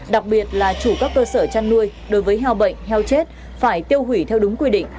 đặc biệt là chủ các cơ sở chăn nuôi đối với heo bệnh heo chết phải tiêu hủy theo đúng quy định